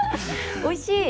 おいしい。